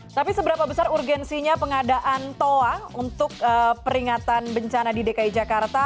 tapi seberapa besar urgensinya pengadaan toa untuk peringatan bencana di dki jakarta